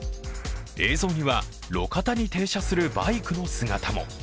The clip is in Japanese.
映像には、路肩に停車するバイクの姿も。